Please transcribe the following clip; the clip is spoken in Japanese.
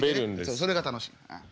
そうそれが楽しい。